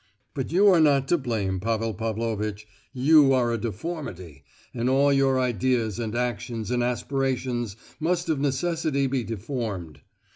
But you are not to blame, Pavel Pavlovitch, you are a deformity, and all your ideas and actions and aspirations must of necessity be deformed.